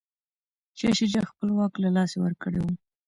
شاه شجاع خپل واک له لاسه ورکړی و.